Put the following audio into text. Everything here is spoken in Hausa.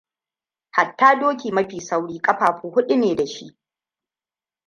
Hatta doki mafi sauri kafafu huɗu ne da shi.